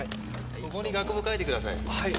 ここに学部を書いてください。